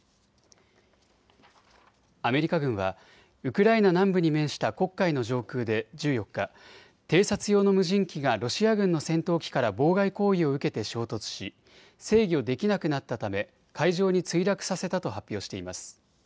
アメリカ軍はウクライナ南部に面した黒海の上空で１４日、偵察用の無人機がロシア軍の戦闘機から妨害行為を受けて衝突し制御できなくなったため海上に墜落させたと発表しています。